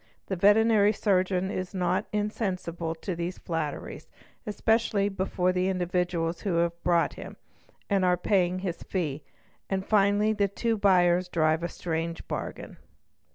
The veterinary surgeon is not insensible to these flatteries, "especially before the individuals who have brought him and are paying his fee, and finally the two buyers drive a strange bargain.